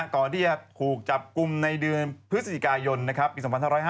ก่อนที่จะถูกจับกลุ่มในเดือนพฤศจิกายนปี๒๕๕๙